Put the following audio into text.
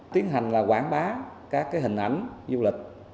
tiến hành là quảng bá các hình ảnh du lịch